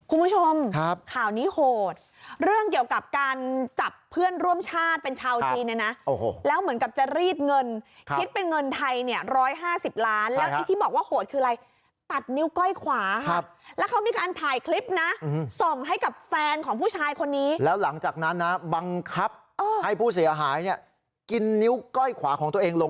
คุณผู้ชมครับข่าวนี้โหดเรื่องเกี่ยวกับการจับเพื่อนร่วมชาติเป็นชาวจีนเนี่ยนะโอ้โหแล้วเหมือนกับจะรีดเงินคิดเป็นเงินไทยเนี่ย๑๕๐ล้านแล้วไอ้ที่บอกว่าโหดคืออะไรตัดนิ้วก้อยขวาครับแล้วเขามีการถ่ายคลิปนะส่งให้กับแฟนของผู้ชายคนนี้แล้วหลังจากนั้นนะบังคับให้ผู้เสียหายเนี่ยกินนิ้วก้อยขวาของตัวเองลง